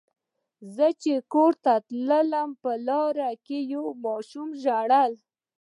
زه چې کور ته تلم په لاره کې یوې ماشومې ژړل.